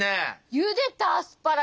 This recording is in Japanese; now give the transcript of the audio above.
ゆでたアスパラ